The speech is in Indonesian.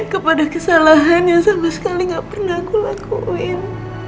kepada kesalahan yang sama sekali gak pernah aku lakuin